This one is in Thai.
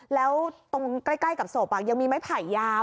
แล้วตรงใกล้กับศพยังมีไม้ไผ่ยาว